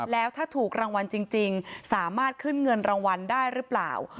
แล้วถ้าถูกรางวัลจริงสามารถขึ้นเงินรางวัลได้หรือเปล่า